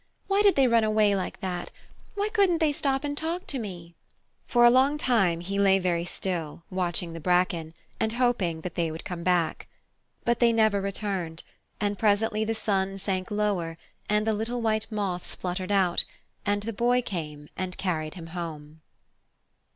"Why did they run away like that? Why couldn't they stop and talk to me?" For a long time he lay very still, watching the bracken, and hoping that they would come back. But they never returned, and presently the sun sank lower and the little white moths fluttered out, and the Boy came and carried him home.